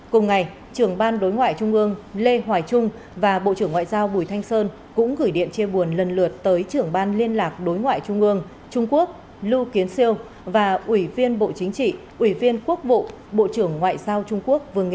cùng ngày trưởng ban đối ngoại trung ương lê hoài trung và bộ trưởng ngoại giao bùi thanh sơn cũng gửi điện chia buồn lần lượt tới trưởng ban liên lạc đối ngoại trung ương trung quốc lưu kiến siêu và ủy viên bộ chính trị ủy viên quốc vụ bộ trưởng ngoại giao trung quốc vương nghị